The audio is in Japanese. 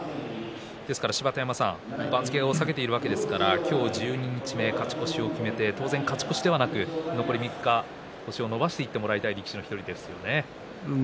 ですから芝田山さん番付を下げているわけですから今日十二日目、勝ち越しを決めて当然、勝ち越しではなく残り３日、星を伸ばしていってもらいたい力士の１人ですよね。